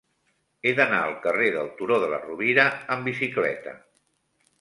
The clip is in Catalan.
He d'anar al carrer del Turó de la Rovira amb bicicleta.